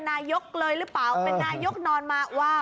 เป็นนายกเลยหรือเปล่า